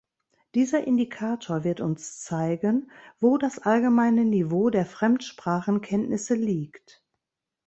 Dieser Indikator wird uns zeigen, wo das allgemeine Niveau der Fremdsprachenkenntnisse liegt.